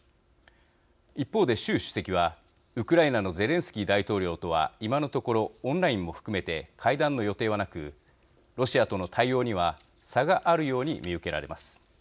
一方で、習主席はウクライナのゼレンスキー大統領とは今のところ、オンラインも含めて会談の予定はなくロシアとの対応には差があるように見受けられます。